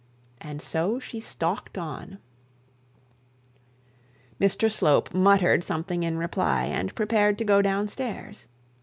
And so she stalked on. Mr Slope muttered something in reply, and prepared to go down stairs.